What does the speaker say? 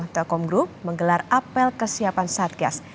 telkom group menggelar apel kesiapan satgas